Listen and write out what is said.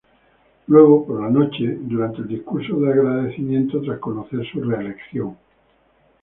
Luego, por la noche, durante el discurso de agradecimiento tras conocer su reelección.